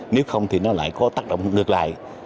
nếu không thì nó lại có tác động ngược lại